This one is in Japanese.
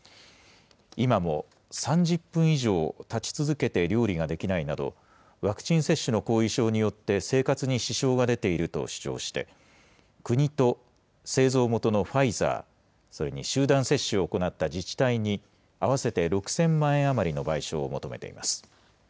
今も３０分以上、立ち続けて料理ができないなど、ワクチン接種の後遺症によって生活に支障が出ていると主張して、国と製造元のファイザー、それに集団接種を行った自治体に、合わせて６０００万円余りの賠償を求めています。